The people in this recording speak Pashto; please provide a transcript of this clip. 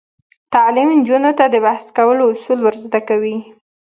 تعلیم نجونو ته د بحث کولو اصول ور زده کوي.